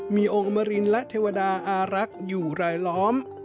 มีองค์อมรินและเทวดาอารักษ์อยู่รายล้อม